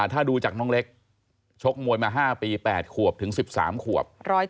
ถ้าดูจากน้องเล็กชกมวยมา๕ปี๘ขวบถึง๑๓ขวบ